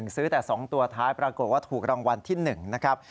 ซื้อแต่๒ตัวท้ายปรากฏว่าถูกรางวัลที่๑นะครับ